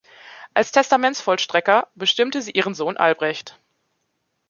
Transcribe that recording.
Als Testamentsvollstrecker bestimmte sie ihren Sohn Albrecht.